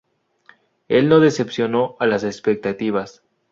Él no decepcionó a las expectativas.